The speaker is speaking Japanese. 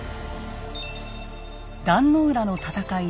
壇の浦の戦い